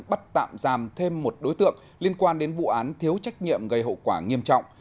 bắt tạm giam thêm một đối tượng liên quan đến vụ án thiếu trách nhiệm gây hậu quả nghiêm trọng